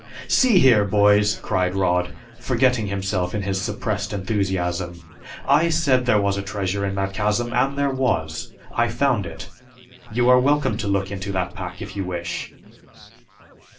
"See here, boys," cried Rod, forgetting himself in his suppressed enthusiasm. "I said there was a treasure in that chasm, and there was. I found it. You are welcome to look into that pack if you wish!"